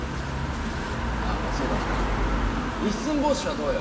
ああそうだな「一寸法師」はどうよ。